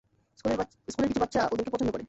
স্কুলের কিছু বাচ্চা ওদেরকে পছন্দ করে।